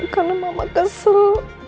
karena mama kesel